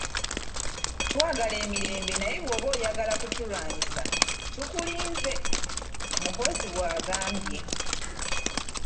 "Twagala emirembe naye bw'oba oyagala okutulwanyisa, tukulinze!” Muhoozi bw'agambye.